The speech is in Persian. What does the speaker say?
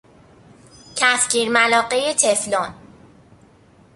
کفگیر ملاقه تفلون